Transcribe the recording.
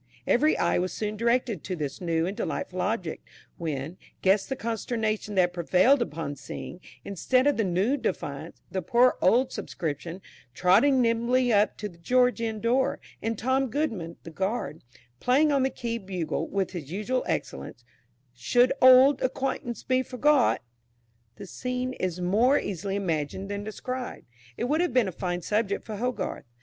Every eye was soon directed to this new and delightful object, when, guess the consternation that prevailed upon seeing, instead of the new "Defiance," the poor old Subscription trotting nimbly up to the George Inn door, and Tom Goodman, the guard, playing on the key bugle, with his usual excellence, "Should auld acquaintance be forgot?" The scene is more easily imagined than described; it would have been a fine subject for Hogarth.